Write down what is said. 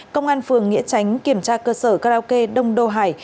công an phường nghĩa tránh kiểm tra cơ sở karaoke đông đô hải